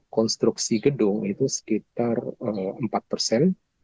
konstruksi gedung itu sekitar empat persen